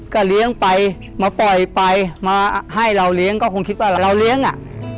ก็เลี้ยงไปมาปล่อยไปมาให้เราเลี้ยงก็คงคิดว่าเราเลี้ยงอ่ะ